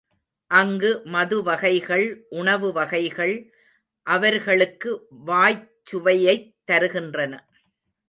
அங்கு மது வகைகள் உணவு வகைகள் அவர்களுக்கு வாய்ச் சுவையைத் தருகின்றன.